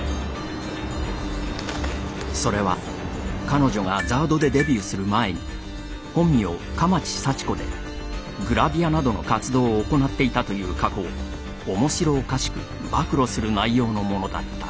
それは彼女がＺＡＲＤでデビューする前に本名蒲池幸子でグラビアなどの活動を行っていたという過去を面白おかしく暴露する内容のものだった。